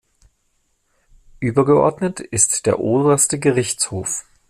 Übergeordnet ist der Oberste Gerichtshof.